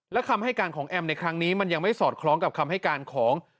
และคำให้การของแอมในครั้งนี้มันยังไม่สอดคล้องกับคำให้การของ